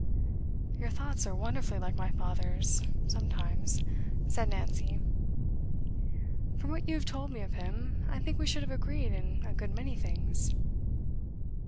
'Your thoughts are wonderfully like my father's, sometimes,' said Nancy. 'From what you have told me of him, I think we should have agreed in a good many things.